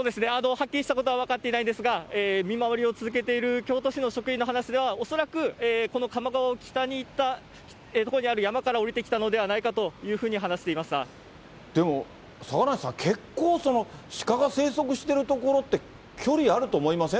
はっきりしたことは分かっていないですが、見回りを続けている京都市の職員の話では、恐らくこの鴨川を北に行った所にある山から下りてきたのではないでも、坂梨さん、結構、鹿が生息してる所って、距離あると思いません？